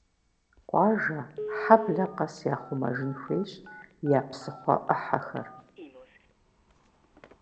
Къуажэ, хьэблэ къэс яхъумэжын хуейщ я псыхъуэ Ӏыхьэхэр.